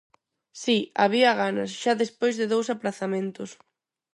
Si, había ganas xa despois de dous aprazamentos.